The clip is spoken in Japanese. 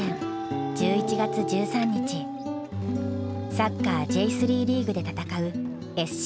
サッカーＪ３リーグで戦うＳＣ